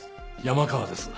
山川です。